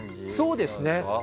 そうですね。